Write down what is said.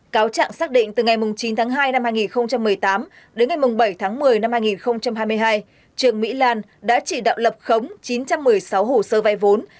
cáo trạng xác định từ ngày chín tháng hai năm hai nghìn một mươi tám đến ngày bảy tháng một mươi năm hai nghìn hai mươi hai trương mỹ lan đã chỉ đạo lập khống chín trăm một mươi sáu hồ sơ vay vốn